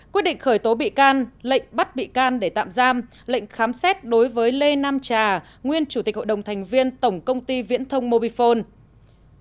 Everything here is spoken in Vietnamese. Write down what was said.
quyết định khởi tố bị can lệnh bắt bị can để tạm giam lệnh khám xét đối với lê nam trà nguyên chủ tịch hội đồng thành viên tổng công ty viễn thông mobifone